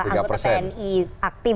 anggota tni aktif